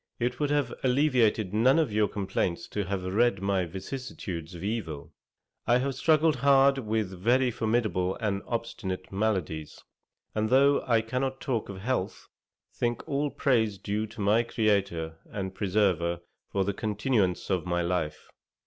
It would have alleviated none of your complaints to have read my vicissitudes of evil. I have struggled hard with very formidable and obstinate maladies; and though I cannot talk of health, think all praise due to my Creator and Preserver for the continuance of my life.